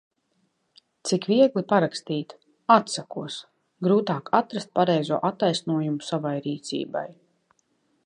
Cik viegli parakstīt – atsakos. Grūtāk atrast pareizo attaisnojumu savai rīcībai.